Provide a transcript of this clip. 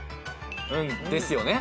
うんですよね。